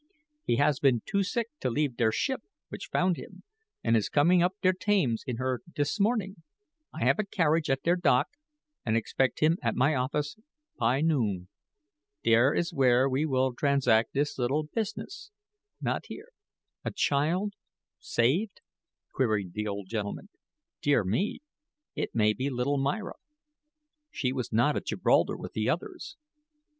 He has been too sick to leave der ship which found him and is coming up der Thames in her this morning. I have a carriage at der dock and expect him at my office py noon. Dere is where we will dransact this little pizness not here." "A child saved," queried the old gentleman; "dear me, it may be little Myra. She was not at Gibraltar with the others.